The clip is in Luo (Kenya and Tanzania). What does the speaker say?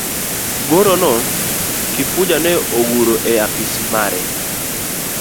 Goro no Kifuja ne oguro e apisi mare.